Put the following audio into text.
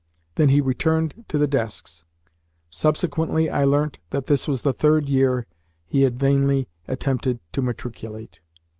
Then he returned to the desks. Subsequently, I learnt that this was the third year he had vainly attempted to matriculate.